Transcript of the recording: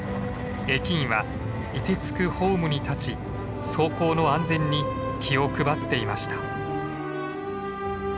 駅員はいてつくホームに立ち走行の安全に気を配っていました。